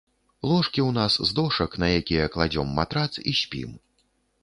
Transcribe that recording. Ложкі ў нас з дошак, на якія кладзём матрац і спім.